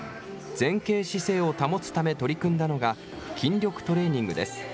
前傾姿勢を保つため取り組んだのが、筋力トレーニングです。